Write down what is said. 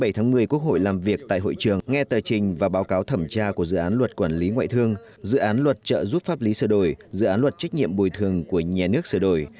bảy tháng một mươi quốc hội làm việc tại hội trường nghe tờ trình và báo cáo thẩm tra của dự án luật quản lý ngoại thương dự án luật trợ giúp pháp lý sửa đổi dự án luật trách nhiệm bồi thường của nhà nước sửa đổi